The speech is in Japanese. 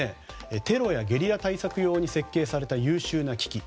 テロやゲリラ対策用に設計された優秀な機器で